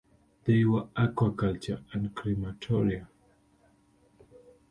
They were aquaculture, and crematoria.